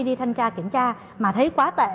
đi thanh tra kiểm tra mà thấy quá tệ